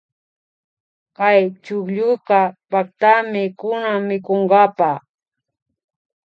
Kay chuklluka paktami kunan mikunkapa